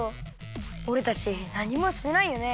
おれたちなにもしてないよね。